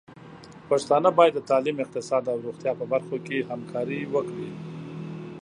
پښتانه بايد د تعليم، اقتصاد او روغتيا په برخو کې همکاري وکړي.